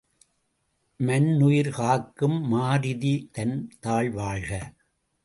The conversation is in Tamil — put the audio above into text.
மன்னுயிர் காக்கும் மாருதிதன் தாள் வாழ்க!